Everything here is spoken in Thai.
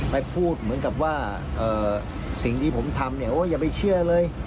ไปพูดเหมือนกับว่าสิ่งที่ผมทำเนี่ยโอ้อย่าไปเชื่อเลย